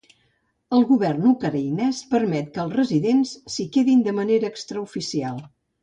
El govern ucraïnès permet que els residents s'hi quedin de manera extraoficial.